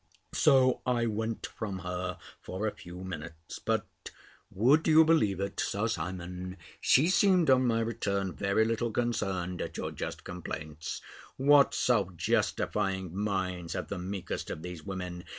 So I went from her, for a few minutes. But, would you believe it, Sir Simon? she seemed, on my return, very little concerned at your just complaints. What self justifying minds have the meekest of these women!